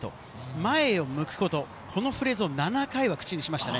前を向くこと、このフレーズを７回は口にしました。